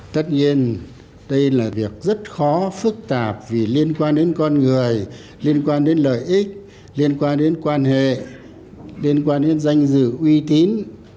tất nhiên đây là việc rất khó phức tạp vì liên quan đến con người liên quan đến lợi ích liên quan đến quan hệ liên quan đến danh dự uy tín